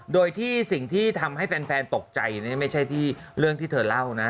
โดยที่สิ่งที่ทำให้แฟนตกใจนี่ไม่ใช่ที่เรื่องที่เธอเล่านะ